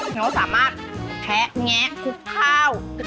แล้วสามารถแคะแงะคุกข้าว